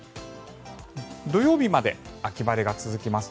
土曜日まで秋晴れが続きます。